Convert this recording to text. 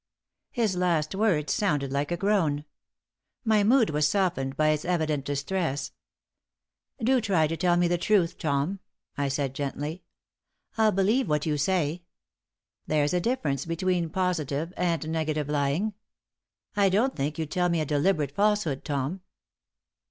His last words sounded like a groan. My mood was softened by his evident distress. "Do try to tell me the truth, Tom," I said, gently. "I'll believe what you say. There's a difference between positive and negative lying. I don't think you'd tell me a deliberate falsehood, Tom."